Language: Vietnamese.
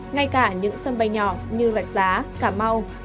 ngay cả những sân bay nhỏ như rạch giá cà mau